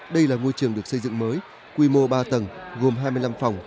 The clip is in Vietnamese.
đây là ngôi trường được xây dựng mới quy mô ba tầng gồm hai mươi năm phòng